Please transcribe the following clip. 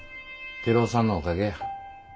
テルヲさんのおかげや。